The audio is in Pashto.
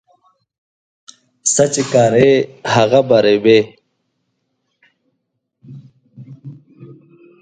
څه چي کرې، هغه به رېبې.